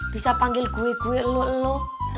bisa panggil kui kui lu lu